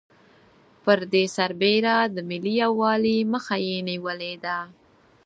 پر دې سربېره د ملي یوالي مخه یې نېولې ده.